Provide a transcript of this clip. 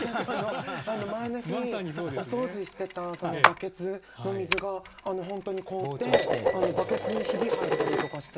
前の日お掃除してたバケツの水が本当に凍ってバケツにひび入ったりとかしてて。